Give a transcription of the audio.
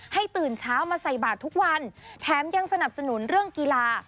ตื่นเช้ามาใส่บาททุกวันแถมยังสนับสนุนเรื่องกีฬา